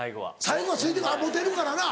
最後はついて来るあっモテるからな。